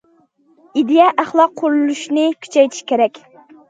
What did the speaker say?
ئىدىيە- ئەخلاق قۇرۇلۇشىنى كۈچەيتىش كېرەك.